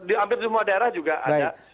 di hampir semua daerah juga ada